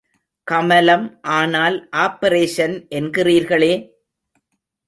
கமலம் ஆனால் ஆப்பரேஷன் என்கிறீர்களே?